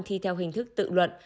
thi theo hình thức tự luận